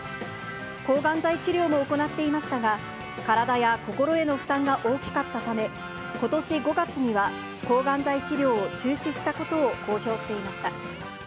抗がん剤治療も行っていましたが、体や心への負担が大きかったため、ことし５月には、抗がん剤治療を中止したことを公表していました。